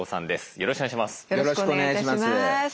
よろしくお願いします。